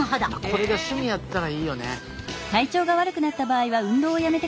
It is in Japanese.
これが趣味やったらいいよね。